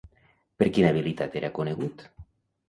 Per quina habilitat era conegut?